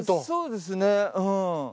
そうですねうん。